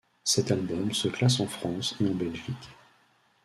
Cet album se classe en France et en Belgique.